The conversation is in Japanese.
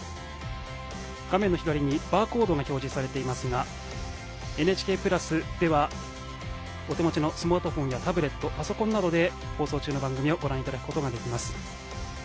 画面左にバーコードが表示されていますが「ＮＨＫプラス」ではお手持ちのスマートフォンやタブレットパソコンなどで放送中の番組をご覧いただくことができます。